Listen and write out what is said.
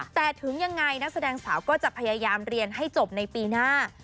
แต่ถึงยังไงฝาก็จะพยายามเรียนให้จบปีหน้า